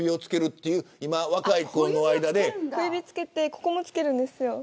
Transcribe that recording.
今、若い子の間で小指をつけてここもつけるんですよ。